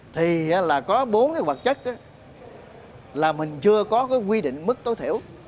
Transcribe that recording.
thì là có bốn cái hoạt chất là mình chưa có quy định mức tối thiểu